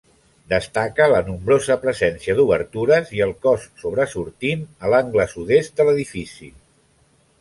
Destaca la nombrosa presència d'obertures i el cos sobresortint a l'angle sud-est de l'edifici.